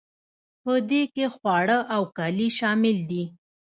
په دې کې خواړه او کالي شامل دي.